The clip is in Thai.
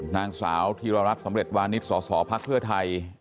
นางสาวธีรรัฐสำเร็จวานิสสพักเพื่อไทย